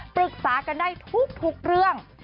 ปรึกษากันได้ทุกเรื่อง